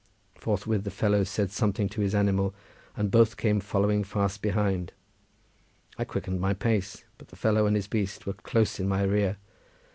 Forthwith the fellow said something to his animal, and both came following fast behind. I quickened my pace, but the fellow and his beast were close in my rear.